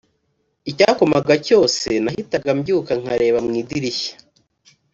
Icyakomaga cyose nahitaga mbyuka nkareba mu idirishya